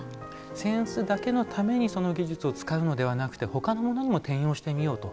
扇子だけのためにその技術を使うのではなくてほかのものにも転用してみようと。